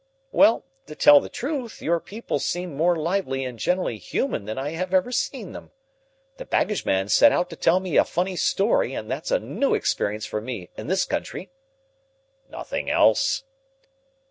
"Well, to tell the truth, your people seemed more lively and generally human than I have ever seen them. The baggage man set out to tell me a funny story, and that's a new experience for me in this country." "Nothing else?"